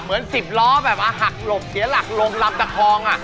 เหมือนสิบล้อแบบอะหักหลบเสียหลักลมรับกระทองอ่ะ